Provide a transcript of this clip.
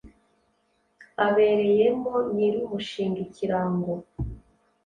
abereyemo nyirumushinga ikirango